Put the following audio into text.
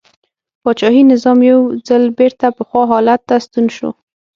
پاچاهي نظام یو ځل بېرته پخوا حالت ته ستون شو.